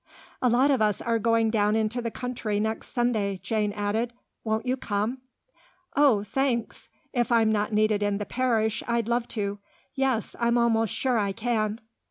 "A lot of us are going down into the country next Sunday," Jane added. "Won't you come?" "Oh, thanks; if I'm not needed in the parish I'd love to. Yes, I'm almost sure I can."